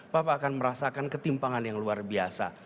papa akan merasakan ketimpangan yang luar biasa